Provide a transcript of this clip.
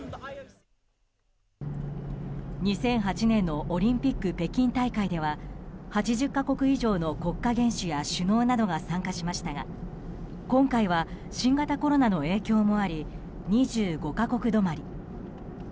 ２００８年のオリンピック北京大会では８０か国以上の国家元首や首脳などが参加しましたが今回は新型コロナの影響もあり２５か国止まり。